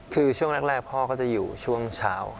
คือช่วงแรกพ่อก็จะอยู่ช่วงเช้า